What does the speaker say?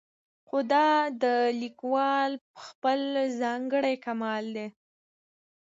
خو دا د لیکوال خپل ځانګړی کمال دی.